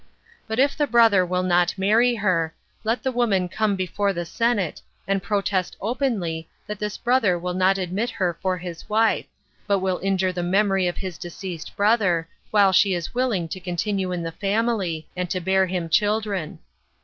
But if the brother will not marry her, let the woman come before the senate, and protest openly that this brother will not admit her for his wife, but will injure the memory of his deceased brother, while she is willing to continue in the family, and to bear him children.